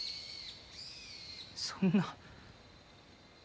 そんな。